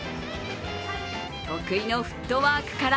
得意のフットワークから